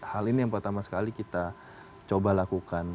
hal ini yang pertama sekali kita coba lakukan